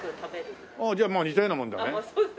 ああじゃあまあ似たようなもんだね。